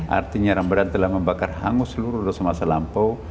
artinya ramburan telah membakar hangus seluruh dosa masa lampau